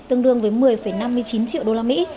tương đương với một mươi năm mươi chín triệu usd